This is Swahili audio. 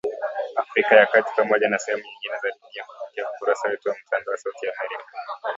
Afrika ya kati Pamoja na sehemu nyingine za dunia kupitia ukurasa wetu wa mtandao wa sauti ya America